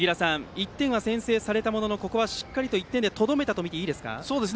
１点は先制されたもののここはしっかりと１点にとどめたとみていいですか。